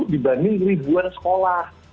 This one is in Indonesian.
sembilan puluh dibanding ribuan sekolah